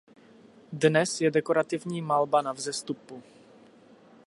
Dnes je dekorativní malba na vzestupu.